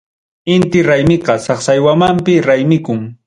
Inti raymiqa Saksaywamanpi raymikun.